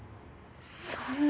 そんな。